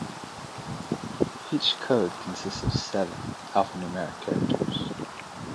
Each code consists of seven alphanumeric characters.